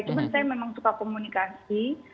cuma saya memang suka komunikasi